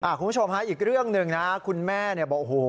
คุณผู้ชมอีกเรื่องหนึ่งนะคุณแม่บอกว่าโอ้โฮ